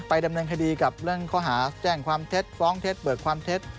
ดำเนินคดีกับเรื่องข้อหาแจ้งความเท็จฟ้องเท็จเบิกความเท็จ